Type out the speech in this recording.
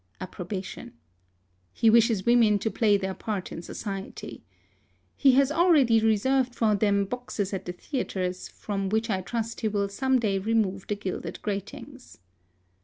(Approbation.) He wishes women to play their part in society. He has already reserved for them boxes at the theatres, from which I trust he will some day remove the gilded gratings.